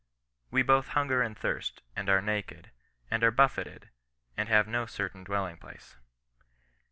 " We both hunger and thirst, and are naked, and are buffeted, and have no certain dwelling place."